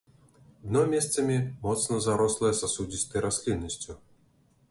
Дно месцамі моцна зарослае сасудзістай расліннасцю.